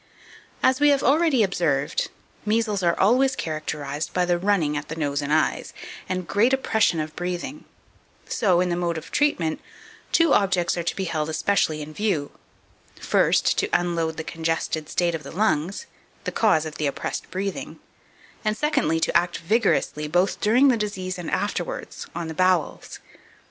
4548. As we have already observed, measles are always characterized by the running at the nose and eyes, and great oppression of breathing; so, in the mode of treatment, two objects are to be held especially in view; first, to unload the congested state of the lungs, the cause of the oppressed breathing; and, secondly, to act vigorously, both during the disease and afterwards, on the bowels.